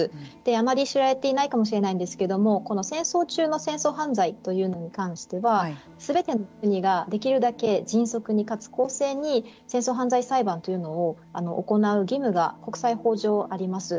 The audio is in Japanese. あまり知られていないかもしれないんですけどもこの戦争中の戦争犯罪というのに関してはすべての国ができるだけ迅速にかつ公正に戦争犯罪裁判というのを行う義務が国際法上あります。